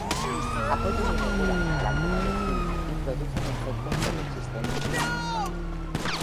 Apoyan y regulan la glándula del "timo" y producen efectos sobre el sistema inmunitario.